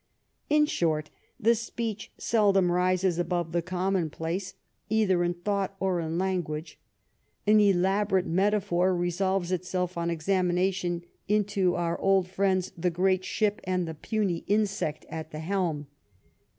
In short, the speech seldom rises above the commonplace, either in thought or in language ; an elaborate metaphor resolves itself on examination into our old friends the great ship and the '' puny insect " at the helm.